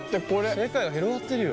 世界が広がってるよ。